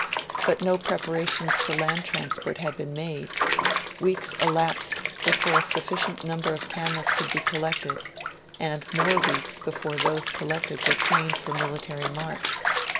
But no preparations for land transport had been made; weeks elapsed before a sufficient number of camels could be collected; and more weeks before those collected were trained for military march.